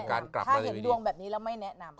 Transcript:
ถ้าเกิดดวงแบบนี้เราไม่แนะนำ